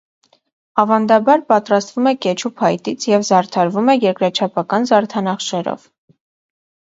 Ավանդաբար պատրաստվում է կեչու փայտից և զարդարվում է երկրաչափական զարդանախշերով։